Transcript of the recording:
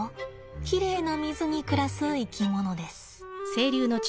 きれいな水に暮らす生き物です。